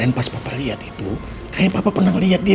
iya pak kita itu dulu pernah ketemu sama dia